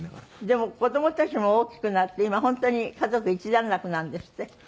でも子供たちも大きくなって今本当に家族一段落なんですって？